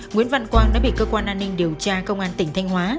nguyễn văn quang đã bị cơ quan an ninh điều tra công an tỉnh thanh hóa